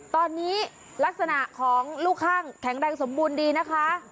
ตอนนี้ลักษณะของลูกข้างแข็งแรงสมบูรณ์ดีนะคะ